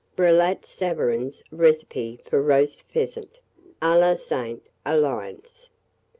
BRILLAT SAVARIN'S RECIPE FOR ROAST PHEASANT, a la Sainte Alliance.